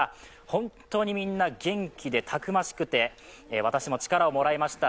本当にみんな元気でたくましくて、私も力をもらいました。